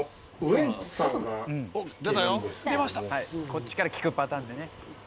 こっちから聞くパターンでね。